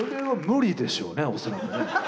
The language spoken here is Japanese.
恐らくね